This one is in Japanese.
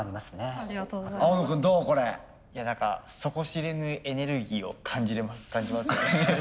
何か底知れぬエネルギーを感じますね。